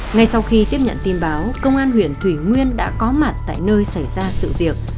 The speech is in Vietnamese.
ngay sau khi tiếp nhận tin báo công an huyện thủy nguyên đã có mặt tại nơi xảy ra sự việc